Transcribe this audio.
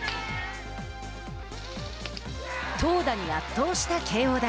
投打に圧倒した慶應大。